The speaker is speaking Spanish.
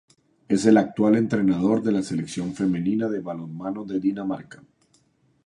Es el actual entrenador de la Selección femenina de balonmano de Dinamarca.